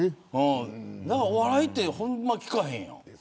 お笑いってほんまに聞かへんやん。